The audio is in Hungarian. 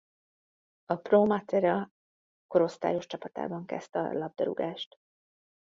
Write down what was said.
A Pro Matera korosztályos csapatában kezdte a labdarúgást.